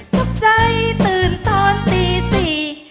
ตกใจตื่นตอนตีสี่